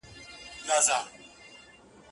په خپل کور کي چي ورلوېږي زیندۍ ورو ورو